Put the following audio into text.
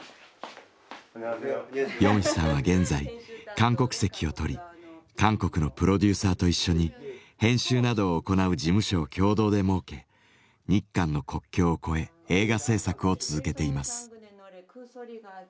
ヨンヒさんは現在韓国籍を取り韓国のプロデューサーと一緒に編集などを行う事務所を共同で設け日韓の国境を超え映画製作を続けています。